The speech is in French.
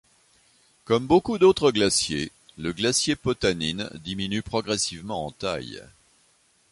Comme beaucoup d'autres glaciers, le glacier Potanine diminue progressivement en taille.